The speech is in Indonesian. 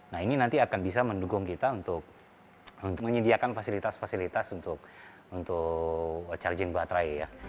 nah ini nanti akan bisa mendukung kita untuk menyediakan fasilitas fasilitas untuk charging baterai ya